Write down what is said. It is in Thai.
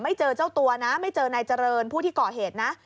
เจอเจ้าตัวนะไม่เจอนายเจริญผู้ที่ก่อเหตุนะ